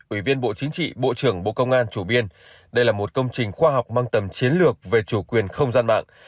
ủy viên bộ chính trị bộ trưởng bộ công an chủ biên đây là một công trình khoa học mang tầm chiến lược về chủ quyền không gian mạng